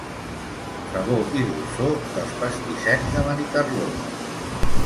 Sabor i dolçor dels pastissets de Benicarló.